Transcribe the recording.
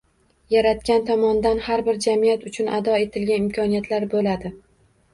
Yaratgan tomondan har bir jamiyat uchun ato etilgan imkoniyatlar bo‘ladi.